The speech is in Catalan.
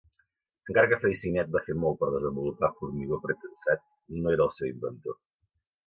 Encara que Freyssinet va fer molt per desenvolupar formigó pretensat, no era el seu inventor.